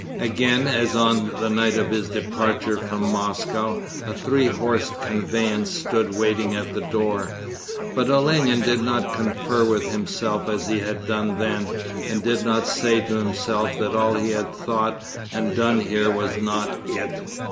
Again as on the night of his departure from Moscow, a three horsed conveyance stood waiting at the door. But Olenin did not confer with himself as he had done then, and did not say to himself that all he had thought and done here was 'not it'.